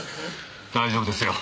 大丈夫ですよ。